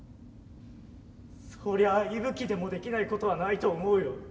そりゃあいぶきでもできないことはないと思うよ。